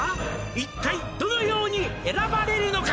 「一体どのように選ばれるのか！？」